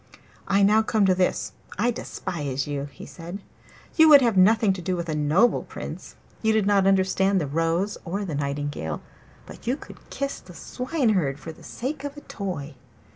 'I now come to this. I despise you!' he said. 'You would have nothing to do with a noble Prince; you did not understand the rose or the nightingale, but you could kiss the Swineherd for the sake of a toy.